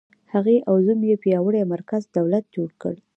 هغې او زوم یې پیاوړی مرکزي دولت جوړ کړ.